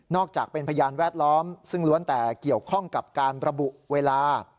อกจากเป็นพยานแวดล้อมซึ่งล้วนแต่เกี่ยวข้องกับการระบุเวลา